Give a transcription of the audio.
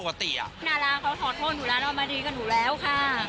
นาราเขาขอโทษหนูรัสออกมาดีกับหนูแล้วค่ะ